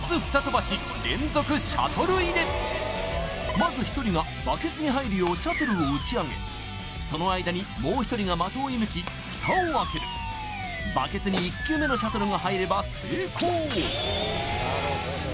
まず１人がバケツに入るようシャトルを打ち上げその間にもう１人が的を射ぬきフタを開けるバケツに１球目のシャトルが入れば成功！